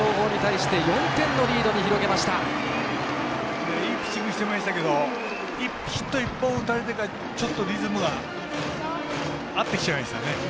いいピッチングしてましたけどヒット１本打たれてからリズムが合ってきちゃいましたね。